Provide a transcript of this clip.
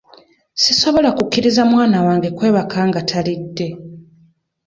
Sisobola kukkiriza mwana wange kwebaka nga talidde.